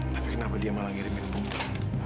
tapi kenapa dia malah ngirimin bongkar